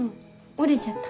折れちゃった。